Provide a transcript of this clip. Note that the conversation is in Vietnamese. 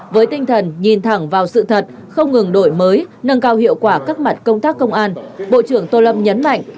với tinh thần nhìn thẳng vào sự thật không ngừng đổi mới nâng cao hiệu quả các mặt công tác công an bộ trưởng tô lâm nhấn mạnh